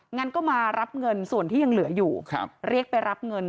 งั้นก็มารับเงินส่วนที่ยังเหลืออยู่เรียกไปรับเงิน